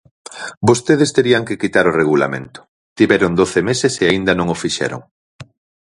Vostedes terían que quitar o Regulamento, tiveron doce meses e aínda non o fixeron.